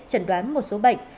trần đoán một số bệnh